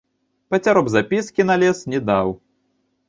Пацяроб запіскі на лес не даў.